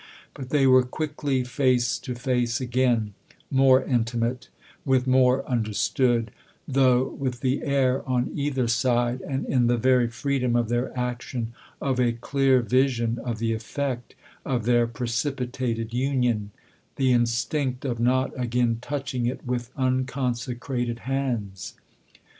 But they were quickly face to face again, more intimate, with more understood, though with the air, on either side and in the very freedom of their action, of a clear vision of the effect of their precipitated union the instinct of not again touching it with unconsecrated hands.